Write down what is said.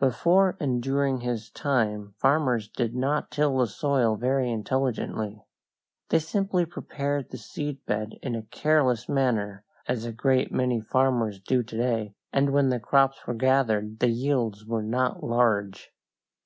Before and during his time farmers did not till the soil very intelligently. They simply prepared the seed bed in a careless manner, as a great many farmers do to day, and when the crops were gathered the yields were not large.